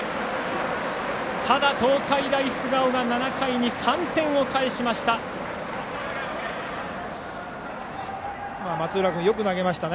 ただ、東海大菅生が７回に３点を返しました。